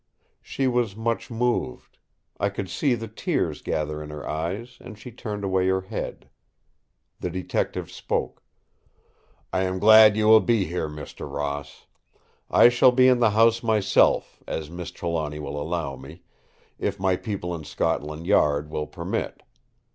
She was much moved. I could see the tears gather in her eyes, and she turned away her head. The Detective spoke: "I am glad you will be here, Mr. Ross. I shall be in the house myself, as Miss Trelawny will allow me, if my people in Scotland Yard will permit.